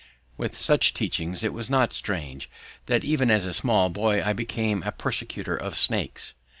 With such teaching it was not strange that even as a small boy I became a persecutor of snakes.